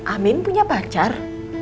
amin punya pacar